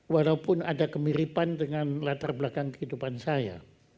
walaupun ada kemiripan dengan latar belakang kehidupan saya